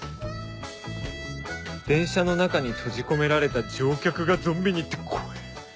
「電車の中に閉じ込められた乗客がゾンビに」って怖えぇ。